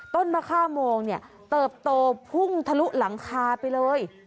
ต้นมะค่าโมงเนี่ยเติบโตพุ่งทะลุหลังคาไปเลย